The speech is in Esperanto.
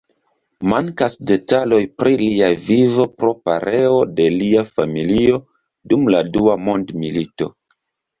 Mankas detaloj pri lia vivo pro pereo de lia familio dum la Dua Mondmilito.